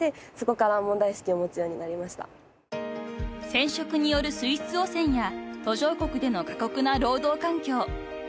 ［染色による水質汚染や途上国での過酷な労働環境］